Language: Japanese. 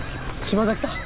島崎さん。